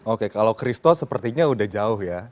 oke kalau christo sepertinya udah jauh ya